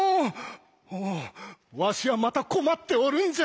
おおわしはまた困っておるんじゃ。